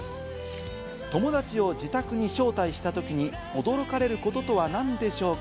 友達を自宅に招待したときに驚かれることとは何でしょうか？